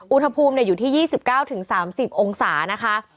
อุณหภูมิอยู่ที่๒๙๓๐องศานะคะ